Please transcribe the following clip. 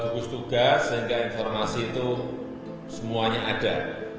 gugus tugas sehingga informasi itu semuanya ada